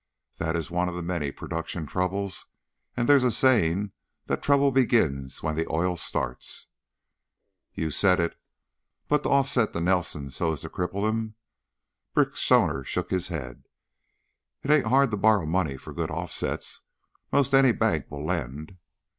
That is one of the many production troubles and there's a saying that trouble begins when the oil starts." "You said it. But to offset the Nelsons so's to cripple 'em " Brick Stoner shook his head. "It ain't hard to borrow money for good offsets. 'Most any bank will lend."